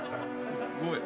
すごい。